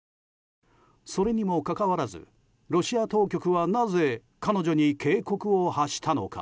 それにもかかわらずロシア当局はなぜ彼女に警告を発したのか。